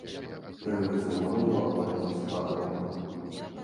Тры ўзвода ўваходзяць у склад роты.